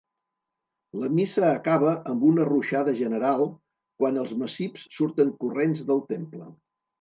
La missa acaba amb una ruixada general, quan els macips surten corrents del temple.